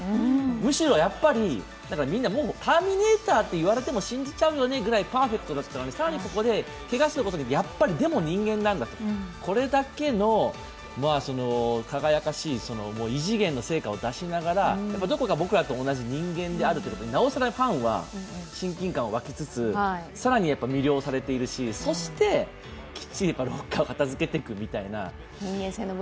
むしろ、みんな、ターミネーターといわれても信じちゃうぐらい、パーフェクトなので、更にそこでけがすることでやっぱりでも人間なんだと、これだけの輝かしい異次元の成果を出しながらどこか僕らと同じ人間だと、なおさらファンは親近感が湧きつつ、さらに魅了されてそして、きっちりロッカーを片づけていくみたいな。